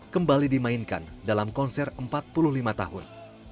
kembali dimainkan dalam konser empat puluh lima tahun